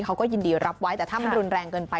เขาก็ยินดีรับไว้แต่ถ้ามันรุนแรงเกินไป